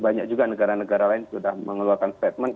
banyak juga negara negara lain sudah mengeluarkan statement